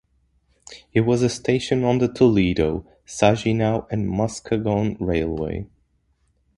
It was a station on the Toledo, Saginaw and Muskegon Railway.